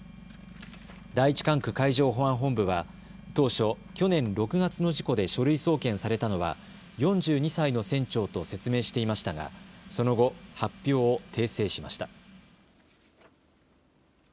第１管区海上保安保安本部は当初、去年６月の事故で書類送検されたのは４２歳の船長と説明していましたがその後、発表を訂正しました。